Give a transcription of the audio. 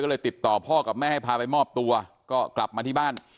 ก็เลยติดต่อพ่อกับแม่ให้พาไปมอบตัวก็กลับมาที่บ้าน